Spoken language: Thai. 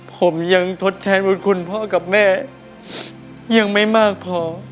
ผมยังทดแทนบุญคุณพ่อกับแม่ยังไม่มากพอ